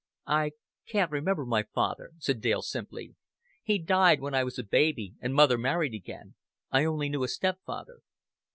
"I can't remember my father," said Dale simply. "He died when I was a baby, and mother married again. I only knew a stepfather."